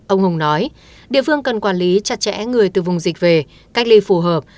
ông hùng nói địa phương cần quản lý chặt chẽ người từ vùng dịch về cách ly phù hợp